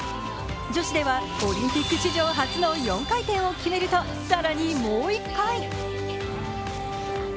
女子ではオリンピック史上初の４回転を決めると、更にもう１回。